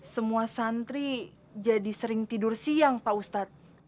semua santri jadi sering tidur siang pak ustadz